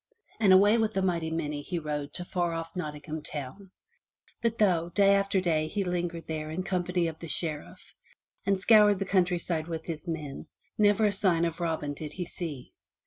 and away with a mighty many he rode to far off Nottingham town. But though, day after day he lingered there in company of the Sheriff, and scoured the countryside with his men, never a sign of Robin did he see.